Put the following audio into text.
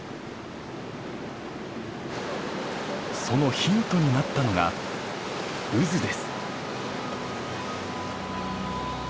そのヒントになったのが「渦」です。